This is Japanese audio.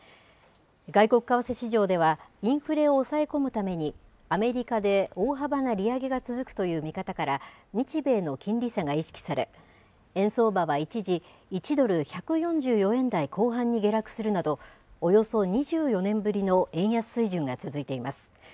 外国為替市場では、インフレを抑え込むために、アメリカで大幅な利上げが続くという見方から、日米の金利差が意識され、円相場は一時、１ドル１４４円台後半に下落するなど、およそ２４年ぶりの円安水準が続いています。